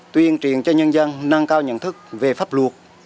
tuyên truyền cho nhân dân nâng cao nhận thức về pháp luật